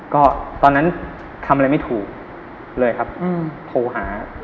ก็ตอนนั้นทำอะไรไม่ถูกเลยครับโทรหา